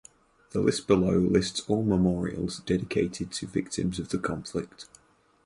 The list below lists all memorials dedicated to victims of the conflict.